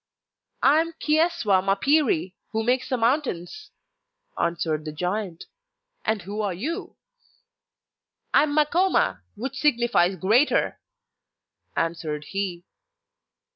'I am Chi eswa mapiri, who makes the mountains,' answered the giant; 'and who are you?' 'I am Makoma, which signifies "greater,"' answered he.